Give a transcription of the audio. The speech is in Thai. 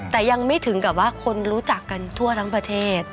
แต่ยังไม่ถึงกับว่าคนรู้จักกันทั่วทั้งประเทศ